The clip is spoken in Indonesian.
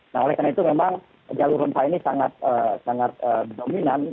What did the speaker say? jadi memang jalur rempah ini sangat dominan